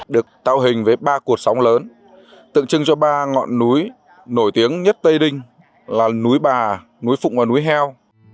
được tạo hình với ba cuộc sóng lớn tượng trưng cho ba ngọn núi nổi tiếng nhất tây đinh là núi bà núi phụng và núi heo